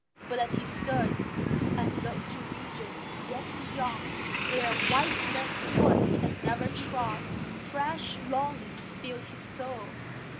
But as he stood, And looked to "regions" yet "beyond," where white man's foot Had never trod, fresh longings filled his soul.